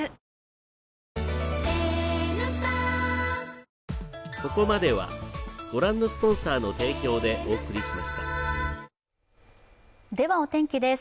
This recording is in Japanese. うまではお天気です。